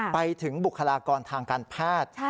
ไปถึงบุคลากรทางการแพทย์